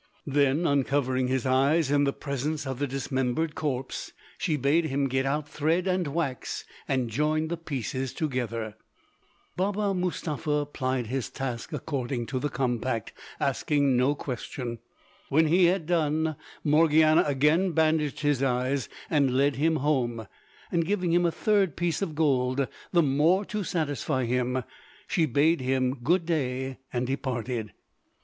Then uncovering his eyes in the presence of the dismembered corpse, she bade him get out thread and wax and join the pieces together. [Illustration: This way and that she led him blindfold.] Baba Mustapha plied his task according to the compact, asking no question. When he had done, Morgiana again bandaged his eyes and led him home, and giving him a third piece of gold the more to satisfy him, she bade him good day and departed.